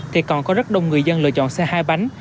thì còn có rất đông người dân lựa chọn xe hai bánh